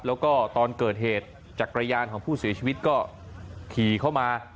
แล้วก็ตอนเกิดเหตุจักรยานของผู้เสียชีวิตก็ขี่เข้ามา